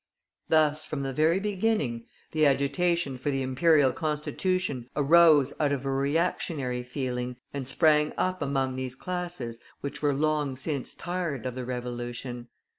Thus from the very beginning the agitation for the Imperial Constitution arose out of a reactionary feeling, and sprang up among these classes which were long since tired of the Revolution.